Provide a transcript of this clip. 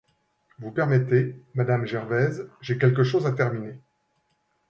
Vous permettez, madame Gervaise, j'ai quelque chose à terminer.